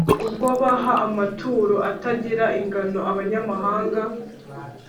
ubwo baha amaturo atagira ingano abanyamahanga,